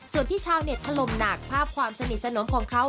ส่วนที่ชาวเน็ตถล่มหนักภาพความสนิทสนมของเขา